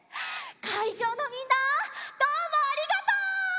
かいじょうのみんなどうもありがとう！